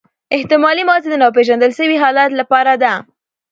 احتمالي ماضي د ناپیژندل سوي حالت له پاره ده.